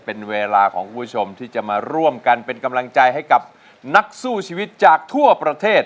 เป็นเวลาของคุณผู้ชมที่จะมาร่วมกันเป็นกำลังใจให้กับนักสู้ชีวิตจากทั่วประเทศ